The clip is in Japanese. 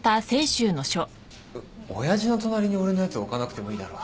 親父の隣に俺のやつ置かなくてもいいだろ。